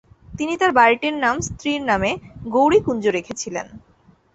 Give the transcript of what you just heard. তিনি তার বাড়িটির নাম স্ত্রীর নামে 'গৌরীকুঞ্জ' রেখেছিলেন।